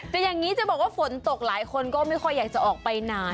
แต่อย่างนี้จะบอกว่าฝนตกหลายคนก็ไม่ค่อยอยากจะออกไปนาน